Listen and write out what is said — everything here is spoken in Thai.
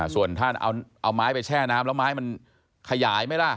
ส่วนท่านเอาไม้ไปแช่น้ำแล้วไม้มันขยายไหมล่ะ